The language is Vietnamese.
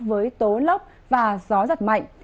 với tố lốc và gió thật mạnh